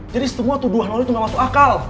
jadi semua tuduhan lo itu gak masuk akal